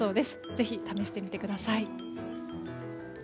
ぜひ、試してみてください。